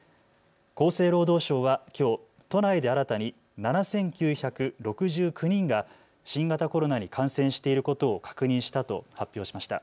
厚生労働省はきょう都内で新たに７９６９人が新型コロナに感染していることを確認したと発表しました。